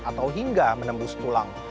atau hingga menembus tulang